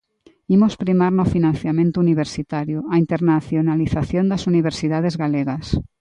Imos primar no financiamento universitario a internacionalización das universidades galegas.